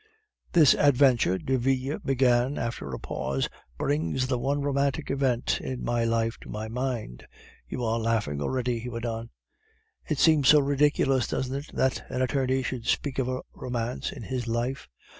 "This adventure," Derville began after a pause, "brings the one romantic event in my life to my mind. You are laughing already," he went on; "it seems so ridiculous, doesn't it, that an attorney should speak of a romance in his life?